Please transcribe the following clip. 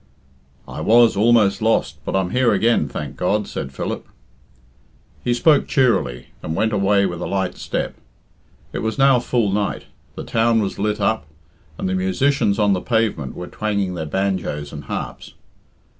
"I was almost lost, but I'm here again, thank God," said Philip. He spoke cheerily, and went away with a light step. It was now full night; the town was lit up, and the musicians of the pavement were twanging their banjos and harps.